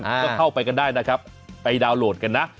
ก็เข้าไปกันได้นะครับไปดาวน์โหลดกันนะ